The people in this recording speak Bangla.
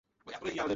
আমাদের মত কর।